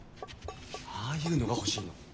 ああいうのが欲しいの。